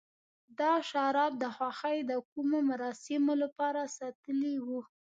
دا شراب د خوښۍ د کومو مراسمو لپاره ساتلي و.